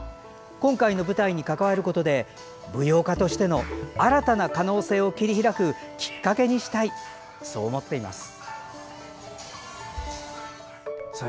今回の舞台に関わることで舞踊家としての新たな可能性を切り開くきっかけにしたいそう思っています。